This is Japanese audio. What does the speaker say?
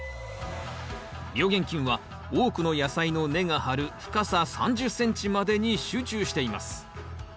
病原菌は多くの野菜の根が張る深さ３０ｃｍまでに集中しています。